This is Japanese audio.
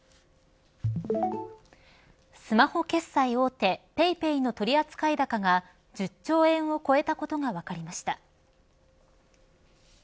スマホ決済大手ＰａｙＰａｙの取扱高が１０兆円を超えたことが分かりました。